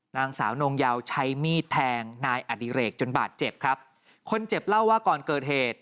นางสาวนงเยาใช้มีดแทงนายอดิเรกจนบาดเจ็บครับคนเจ็บเล่าว่าก่อนเกิดเหตุ